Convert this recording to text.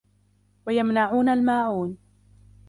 وَيَمْنَعُونَ الْمَاعُونَ